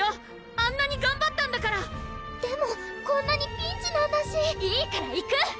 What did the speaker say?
あんなにがんばったんだからでもこんなにピンチなんだしいいから行く！